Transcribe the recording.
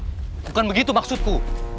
nindawa bukan begitu maksudku